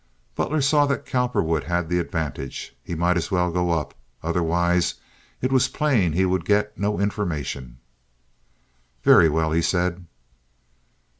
Butler saw that Cowperwood had the advantage. He might as well go up. Otherwise it was plain he would get no information. "Very well," he said.